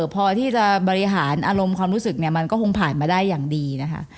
พอที่จะบริหารอารมณ์ความรู้สึกเนี่ยมันก็คงผ่านมาได้อย่างดีนะคะ